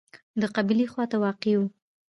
د قبلې خواته واقع و.